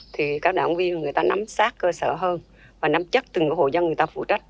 thì các đảng viên người ta nắm sát cơ sở hơn và nắm chắc từng hộ dân người ta phụ trách